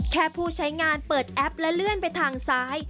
แค่ผู้ใช้งานเปิดแอปและเลื่อนไปทางซ้าย